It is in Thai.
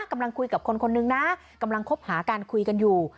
กำลังคุยกับคนคนนึงนะกำลังคบหาการคุยกันอยู่